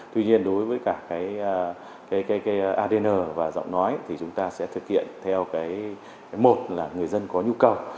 tuy nhiên đối với cả cái adn và giọng nói thì chúng ta sẽ thực hiện theo một là người dân có nhu cầu